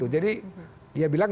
jadi dia bilang